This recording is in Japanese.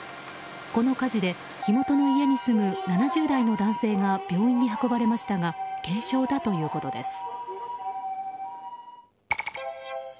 この火事で火元の家に住む７０代の男性が病院に運ばれましたが軽傷だということです。